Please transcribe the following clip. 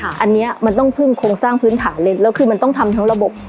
อันนี้มันต้องพึ่งโครงสร้างพื้นฐานเลยแล้วคือมันต้องทำทั้งระบบ